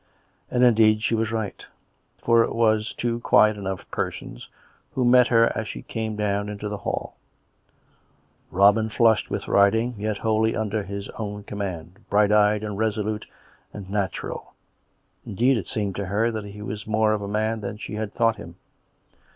And, indeed, she was right: for it was two quiet enough persons who met her as she came down into the hall: Robin flushed with riding, yet wholly under his own command — bright eyed, and resolute and natural (indeed, it seemed to her that he was more of a man than she had thought him)